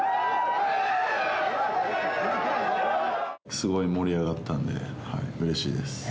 すごい盛り上がったんで、うれしいです。